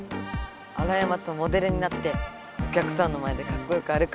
アロヤマとモデルになっておきゃくさんの前でかっこよく歩く。